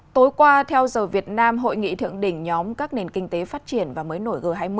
tối qua theo giờ việt nam hội nghị thượng đỉnh nhóm các nền kinh tế phát triển và mới nổi g hai mươi